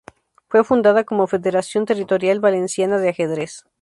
Fue fundada como "Federación Territorial Valenciana de Ajedrez".